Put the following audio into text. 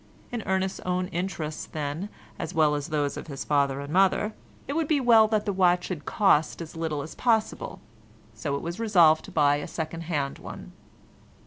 In Ernest's own interests, then, as well as those of his father and mother, it would be well that the watch should cost as little as possible, so it was resolved to buy a second hand one.